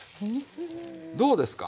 どうですか？